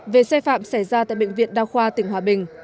về xe phạm xảy ra tại bệnh viện đa khoa tỉnh hòa bình